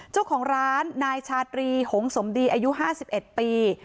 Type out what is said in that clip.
เจ้าของร้านนายชาตรีหงสมดีอายุ๕๑ปี